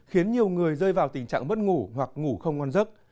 khiến nhiều người rơi vào tình trạng mất ngủ hoặc ngủ không ngon giấc